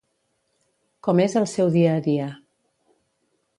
Com és el seu dia a dia.